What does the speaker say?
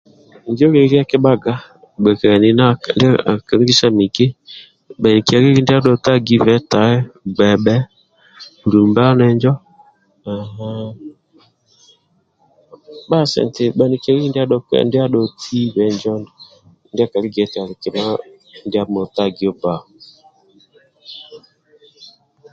injo lyeli akibhaga na bgokilyani kalungisa miki bhani nkyaleli ndya dhotagibhe tai gbebhe bulumbani injo aha bhasi nti bhanikyaleli ndyadhotagibhe ndyakali hiya nti alikima ndya motagiyo ba